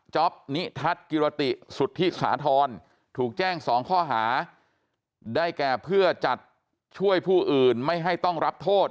นิทัศน์กิรติสุธิสาธรณ์ถูกแจ้ง๒ข้อหาได้แก่เพื่อจัดช่วยผู้อื่นไม่ให้ต้องรับโทษ